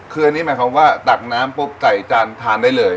คืออันนี้หมายความว่าตักน้ำปุ๊บใส่จานทานได้เลย